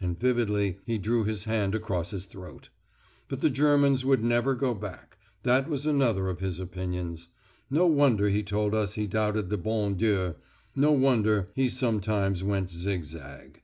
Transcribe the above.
And vividly he drew his hand across his throat. But the Germans would never go back: that was another of his opinions. No wonder he told us he doubted the bon Dieu: no wonder he sometimes went zigzag.